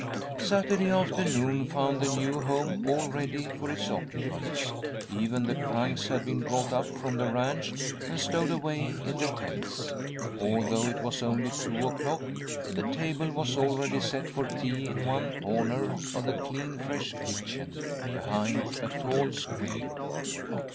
Saturday afternoon found the new home all ready for its occupants. Even the trunks had been brought up from the ranch and stowed away in the tents. Although it was only two o'clock, the table was already set for tea in one corner of the clean, fresh kitchen, behind a tall screen.